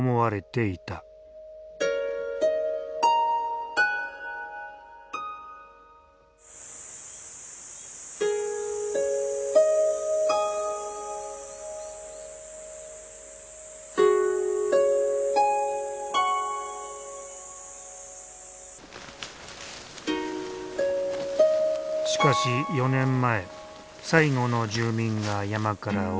しかし４年前最後の住民が山から下り消滅集落に。